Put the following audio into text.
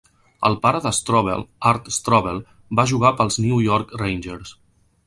El pare de Strobel, Art Strobel, va jugar pels New York Rangers.